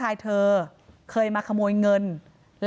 นายพิรายุนั่งอยู่ติดกันแบบนี้นะคะ